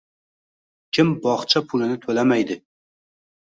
Kim bog‘cha pulini to‘lamaydi?